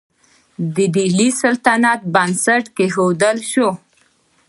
د ډیلي سلطنت بنسټ کیښودل شو.